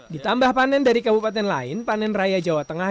ditambah panen dari kabupaten lain panen raya jawa tengah